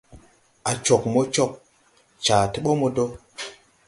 A cog mo cog, caa ti bo mo dɔɔ.